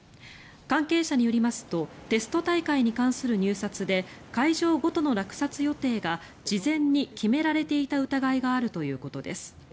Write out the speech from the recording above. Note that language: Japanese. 関係者によりますとテスト大会に関する入札で会場ごとの落札予定が事前に決められていた疑いがあるということです。